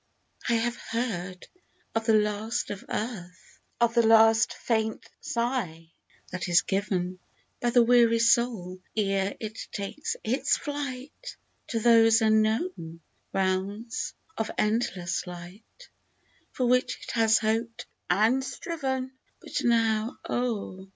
I HAVE heard of the last of Earth, Of the last faint sigh that is given By the weary soul, ere it takes its flight To those unknown realms of endless light For which it has hoped and striven, — But now, oh